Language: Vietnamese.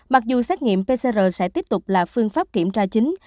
mặc dù xét nghiệm pcr sẽ tiếp tục là phương pháp kiểm tra chính